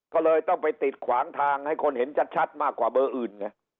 ก็เลยต้องไปติดขวางทางให้คนเห็นชัดมากกว่าเบอร์อื่นไง